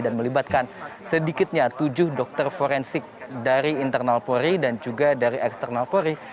dan melibatkan sedikitnya tujuh dokter forensik dari internal polri dan juga dari eksternal polri